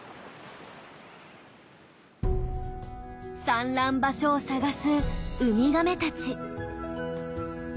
産卵場所を探すウミガメたち。